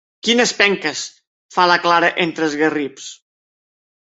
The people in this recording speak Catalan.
Quines penques! —fa la Clara entre esgarips.